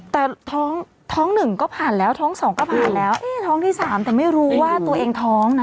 แต่ท้องท้องหนึ่งก็ผ่านแล้วท้องสองก็ผ่านแล้วเอ๊ะท้องที่สามแต่ไม่รู้ว่าตัวเองท้องนะ